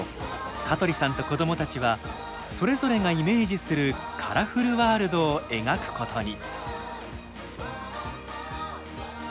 香取さんと子供たちはそれぞれがイメージするカラフルワールドを描くことに。